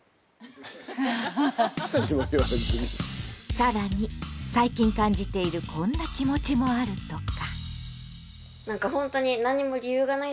更に最近感じているこんな気持ちもあるとか。